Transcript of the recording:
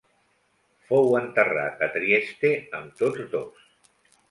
Fou enterrat a Trieste amb tots dos.